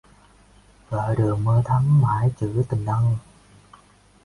Gợi đường mơ thắm mãi chữ tình ân